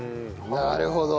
なるほど！